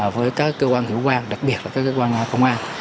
với các cơ quan hữu quan đặc biệt là các cơ quan công an